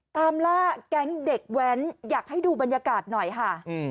ตามล่าแก๊งเด็กแว้นอยากให้ดูบรรยากาศหน่อยค่ะ